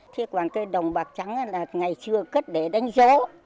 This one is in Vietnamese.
thế còn cái đồng bạc trắng là ngày trưa cất để đánh gió